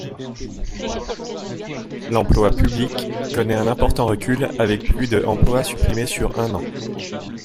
L'emploi public connait un important recul avec plus de emplois supprimés sur un an.